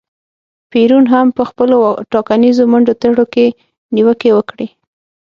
پېرون هم په خپلو ټاکنیزو منډو ترړو کې نیوکې وکړې.